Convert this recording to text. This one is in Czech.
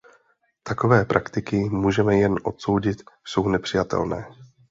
Takové praktiky můžeme jen odsoudit, jsou nepřijatelné.